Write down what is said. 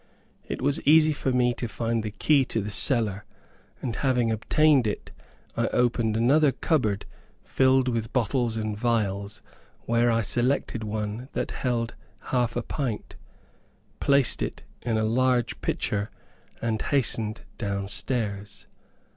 It was easy for me to find the key to the cellar, and having obtained it, I opened another cupboard filled with bottles and vials, where I selected one that held half a pint, placed it in a large pitcher, and hastened down stairs.